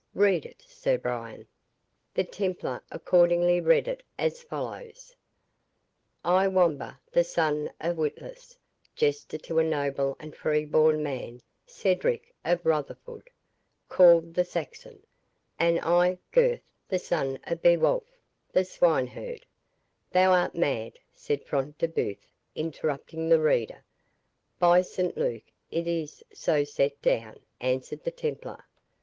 —Read it, Sir Brian." The Templar accordingly read it as follows:—"I, Wamba, the son of Witless, Jester to a noble and free born man, Cedric of Rotherwood, called the Saxon,—And I, Gurth, the son of Beowulph, the swineherd— " "Thou art mad," said Front de Bœuf, interrupting the reader. "By St Luke, it is so set down," answered the Templar.